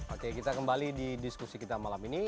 oke kita kembali di diskusi kita malam ini